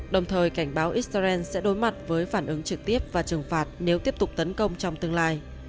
đồng thời cảnh báo israel sẽ đối mặt với phản ứng trực tiếp và trừng phạt nếu tiếp tục tấn công trong tương lai